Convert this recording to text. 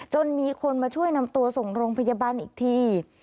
จนมีคนมาช่วยนำตัวส่งโรงพยาบาลอีกที